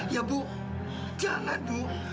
ya bu jangan bu